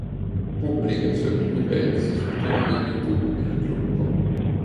Pubblica i suoi primi pezzi sul canale YouTube del gruppo.